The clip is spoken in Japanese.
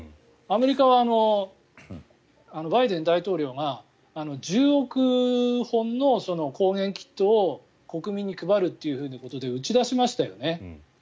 アメリカはバイデン大統領が１０億本の抗原キットを国民に配るということで打ち出しましたよね。